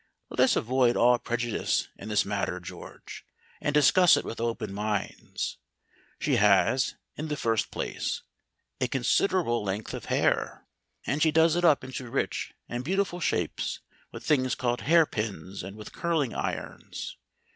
Let us avoid all prejudice in this matter, George, and discuss it with open minds. She has, in the first place, a considerable length of hair, and she does it up into rich and beautiful shapes with things called hairpins and with curling irons.